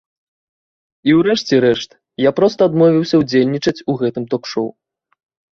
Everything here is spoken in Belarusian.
І ў рэшце рэшт, я проста адмовіўся ўдзельнічаць у гэтым ток-шоў.